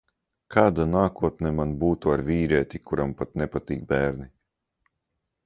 Kāda nākotne man būtu ar vīrieti, kuram pat nepatīk bērni?